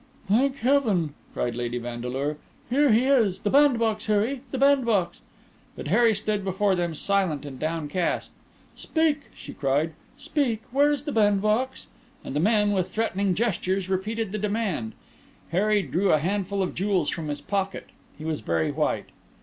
"Thank Heaven!" cried Lady Vandeleur, "here he is! The bandbox, Harry—the bandbox!" But Harry stood before them silent and downcast. "Speak!" she cried. "Speak! Where is the bandbox?" And the men, with threatening gestures, repeated the demand. Harry drew a handful of jewels from his pocket. He was very white.